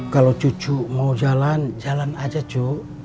kalau cucu mau jalan jalan aja cuk